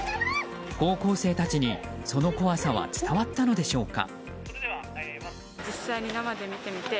高校生たちにその怖さは伝わったのでしょうか。